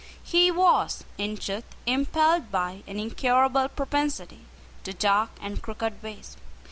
He was, in truth, impelled by an incurable propensity to dark and crooked ways.